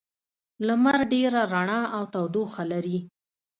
لمر ډېره رڼا او تودوخه لري.